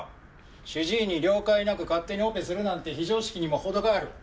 主治医に了解なく勝手にオペするなんて非常識にもほどがある。